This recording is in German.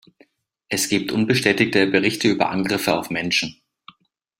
Es gibt unbestätigte Berichte über Angriffe auf Menschen.